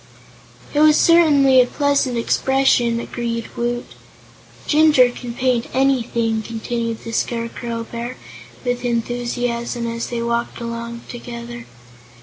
"It was certainly a pleasant expression," agreed Woot. "Jinjur can paint anything," continued the Scarecrow Bear, with enthusiasm, as they walked along together.